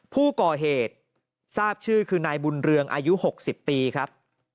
ผู้ก่อเหตุทราบชื่อคือนายบุญเรืองอายุ๖๐ปีครับ